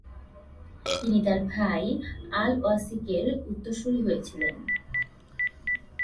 তিনি তার ভাই আল ওয়াসিকের উত্তরসুরি হয়েছিলেন।